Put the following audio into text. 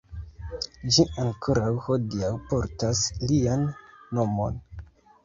Ĝi ankoraŭ hodiaŭ portas lian nomon.